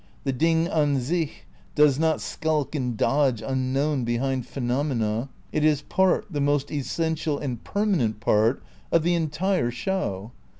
The Ding cm sich does not skulk and dodge unknown behind phenomena ; it is part, the most essen tial and permanent part, of the entire show.